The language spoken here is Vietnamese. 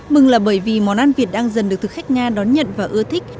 mừng là bởi vì món ăn việt đang dần được thực khách nga đón nhận và ưa thích